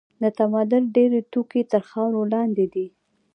د تمدن ډېر توکي تر خاورو لاندې دي.